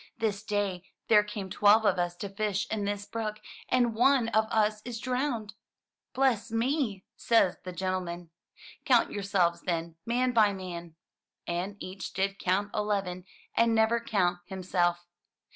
"This day there came twelve of us to fish in this brook, and one of us is drowned!" "Bless me!" says the gentleman. "Coimt yourselves, then, man by man !'' And each did count eleven and never count himself.